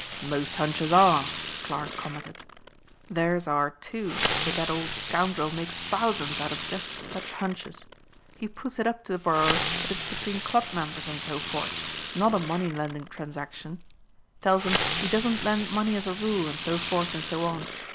"Most hunches are," Clarke commented. "Theirs are, too, but that old scoundrel makes thousands out of just such hunches. He puts it up to the borrower that it's between club members and so forth, not a money lending transaction. Tells 'em he doesn't lend money as a rule, and so forth and so on.